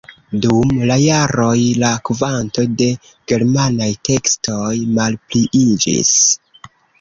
Dum la jaroj la kvanto de germanaj tekstoj malpliiĝis.